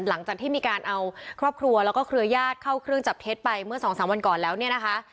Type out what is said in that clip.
หลังจากที่มีการเอาครอบครัวแล้วก็เครือญาติเข้าเครื่องจับเท็จไปเมื่อสองสามวันก่อนแล้วเนี่ยนะคะ